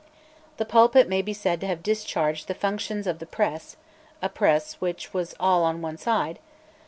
The pulpit may be said to have discharged the functions of the press (a press which was all on one side).